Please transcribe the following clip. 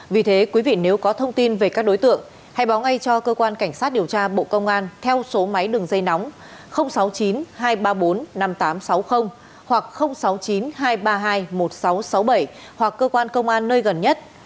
vì thế quý vị nếu có thông tin về các đối tượng hãy báo ngay cho cơ quan cảnh sát điều tra bộ công an theo số máy đường dây nóng sáu mươi chín hai trăm ba mươi bốn năm nghìn tám trăm sáu mươi hoặc sáu mươi chín hai trăm ba mươi hai một nghìn sáu trăm sáu mươi bảy hoặc cơ quan công an nơi gần nhất